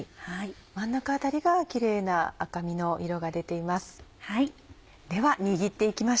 真ん中辺りがキレイな赤身の色が出ています。